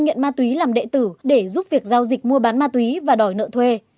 vàng đã thực hiện ma túy làm đệ tử để giúp việc giao dịch mua bán ma túy và đòi nợ thuê